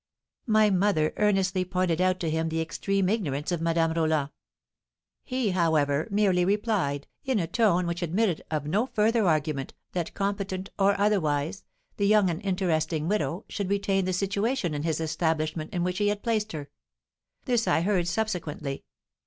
My mother earnestly pointed out to him the extreme ignorance of Madame Roland; he, however, merely replied, in a tone which admitted of no further argument, that, competent or otherwise, the young and interesting widow should retain the situation in his establishment in which he had placed her. This I heard subsequently.